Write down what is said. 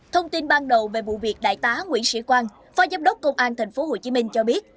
thông tin ban đầu về vụ việc đại tá nguyễn sĩ quang phó giám đốc công an tp hcm cho biết